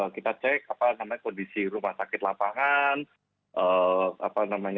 kita cek kondisi rumah sakit lapangan